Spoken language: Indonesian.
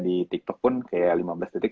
di tiktok pun kayak lima belas detik